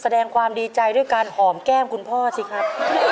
แสดงความดีใจด้วยการหอมแก้มคุณพ่อสิครับ